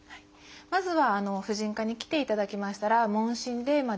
まずは婦人科に来ていただきましたら問診で自覚症状の確認。